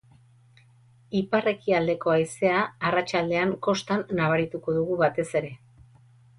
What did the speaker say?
Ipar-ekialdeko haizea arratsaldean kostan nabarituko dugu batez ere.